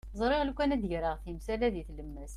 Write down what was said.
Ẓriɣ lukan ad d-greɣ timsal-a deg tlemmast.